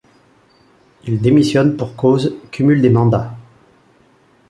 Il démissionne pour cause cumul des mandats.